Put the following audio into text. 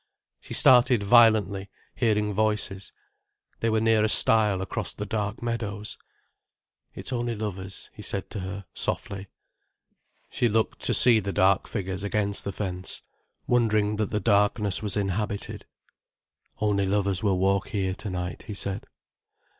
She started violently, hearing voices. They were near a stile across the dark meadows. "It's only lovers," he said to her, softly. She looked to see the dark figures against the fence, wondering that the darkness was inhabited. "Only lovers will walk here to night," he said.